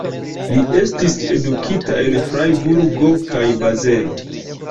Li estis edukita en Frajburgo kaj Bazelo.